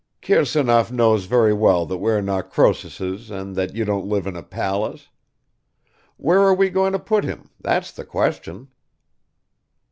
"Kirsanov knows very well that we're not Croesuses and that you don't live in a palace. Where are we going to put him, that's the question?"